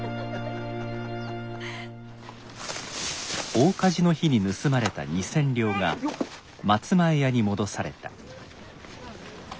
大火事の日に盗まれた２千両が松前屋に戻された